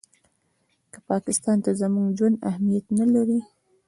که پاکستان ته زموږ ژوند اهمیت نه لري.